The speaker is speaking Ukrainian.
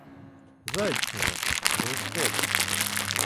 — Зайдь, княже, до господи.